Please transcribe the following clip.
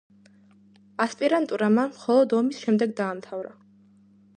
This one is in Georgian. ასპირანტურა მან მხოლოდ ომის შემდეგ დაამთავრა.